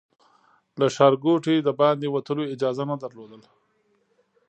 له ښارګوټي د باندې وتلو اجازه نه درلوده.